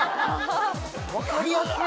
わかりやす！